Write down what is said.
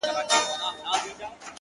• نه په خوله فریاد له سرولمبو لري ,